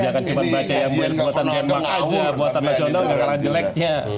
saya akan coba baca yang buatan jendang saja buatan mas yondong nggak karena jeleknya